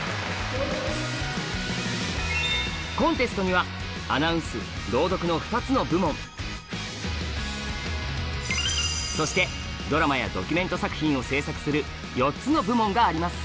コンテストにはアナウンス朗読の２つの部門そしてドラマやドキュメント作品を制作する４つの部門があります。